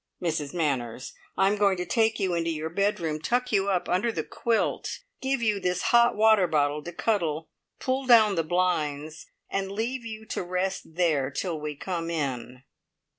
"Mrs Manners, I am going to take you into your bedroom, tuck you up under the quilt, give you this hot water bottle to cuddle, pull down the blinds, and leave you to rest there till we come in."